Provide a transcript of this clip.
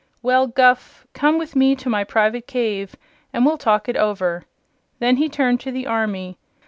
"Well, Guph, come with me to my private cave, and we'll talk it over." Then he turned to the army.